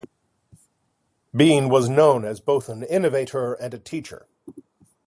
Beene was known as both an innovator and a teacher.